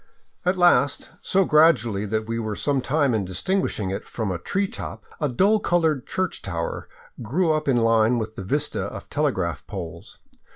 At last, so gradually that we were some time in distinguishing it from a tree top, a dull colored church tower grew up in line with the vista of telegraph poles.